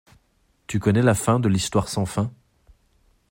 Tu connais la fin de l'Histoire sans Fin?